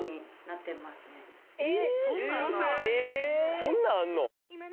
そんなんあるの？